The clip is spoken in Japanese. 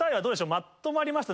まとまりました？